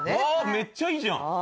めっちゃいいじゃん。